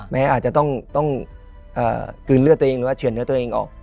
อาจจะต้องกลืนเลือดตัวเองหรือว่าเฉือนเนื้อตัวเองออก